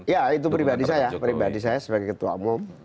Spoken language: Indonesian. ya itu pribadi saya sebagai ketua umum